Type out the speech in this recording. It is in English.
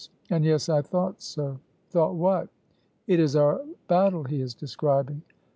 and yes! I thought so." "Thought what?" "It is our battle he is describing."